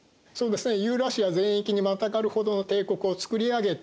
ユーラシア全域にまたがるほどの帝国をつくり上げた。